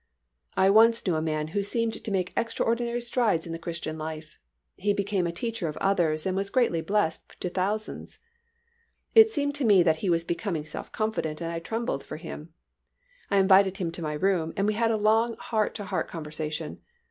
I once knew a man who seemed to make extraordinary strides in the Christian life. He became a teacher of others and was greatly blessed to thousands. It seemed to me that he was becoming self confident and I trembled for him. I invited him to my room and we had a long heart to heart conversation.